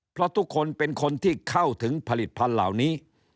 เพราะทุกคนเป็นคนที่เข้าถึงผลิตภัณฑ์เหล่านี้